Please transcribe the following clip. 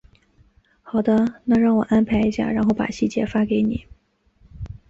好的，那让我安排一下，然后把细节发给你。